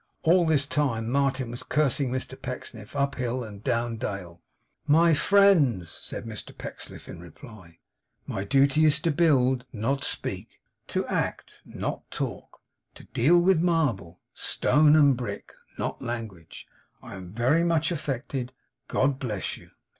All this time, Martin was cursing Mr Pecksniff up hill and down dale. 'My friends!' said Mr Pecksniff, in reply. 'My duty is to build, not speak; to act, not talk; to deal with marble, stone, and brick; not language. I am very much affected. God bless you!